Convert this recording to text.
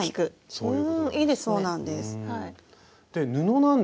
そういうことです。